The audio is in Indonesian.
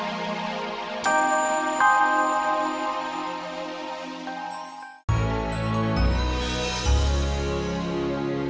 apa yang tante mau katakan